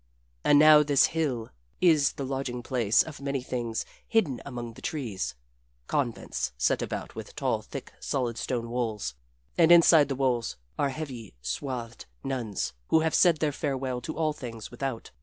And now this hill is the lodging place of many things hidden among the trees convents set about with tall, thick, solid stone walls, and inside the walls are heavy swathed nuns who have said their farewell to all things without.